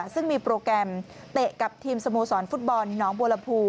ซึ่งมีโปรแกรมเตะกับทีมสโมสรฟุตบอลน้องบัวลำพู